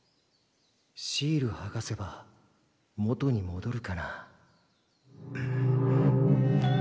シールはがせば元にもどるかな？